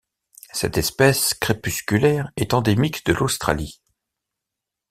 Cette espèce crépusculaire est endémique de l'Australie.